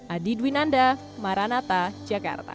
adi dwi nanda maranatha jakarta